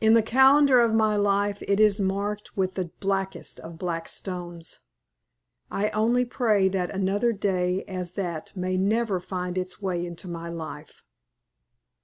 In the calendar of my life it is marked with the blackest of black stones. I only pray that such another day as that may never find its way into my life.